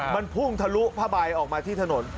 มันพุ่งทะลุผ้าใบออกมาที่ถนน